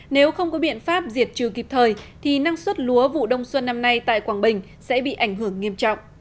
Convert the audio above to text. nếu không có biện pháp diệt trừ kịp thời thì năng suất lúa vụ đông xuân năm nay tại quảng bình sẽ bị ảnh hưởng nghiêm trọng